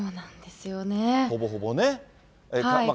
ほぼほぼね。